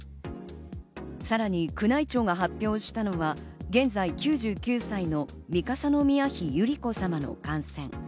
さらに宮内庁が発表したのが現在９９歳の三笠宮妃百合子さまの感染。